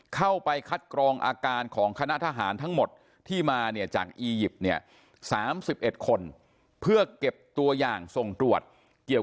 เข้าไปคัดกรองอาการของคณะทหารทั้งหมดที่มาเนี่ยจากอียิปต์เนี่ย๓๑คนเพื่อเก็บตัวอย่างส่งตรวจเกี่ยว